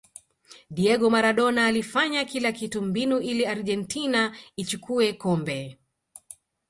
diego maradona alifanya kila kitu mbinu ili argentina ichukue kombe